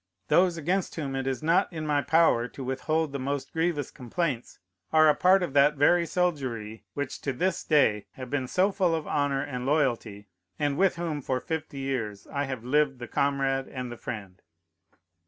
Those against whom it is not in my power to withhold the most grievous complaints are a part of that very soldiery which to this day have been so full of honor and loyalty, and with whom for fifty years I have lived the comrade and the friend.